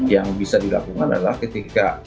yang bisa dilakukan adalah ketika